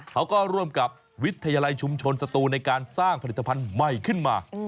เขาก็ร่วมกับวิทยาลัยชุมชนสตูในการสร้างผลิตภัณฑ์ใหม่ขึ้นมา